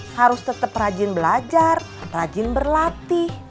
harus tetap rajin belajar rajin berlatih